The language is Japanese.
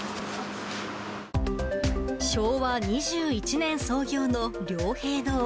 昭和２１年創業の良平堂。